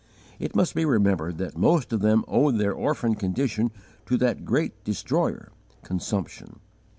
It must be remembered that most of them owed their orphan condition to that great destroyer, Consumption.